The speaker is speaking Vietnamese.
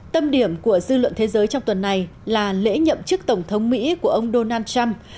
tâm điểm của dư luận thế giới trong tuần này là lễ nhậm chức tổng thống mỹ của ông donald trump